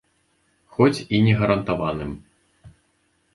Хоць і не гарантаваным.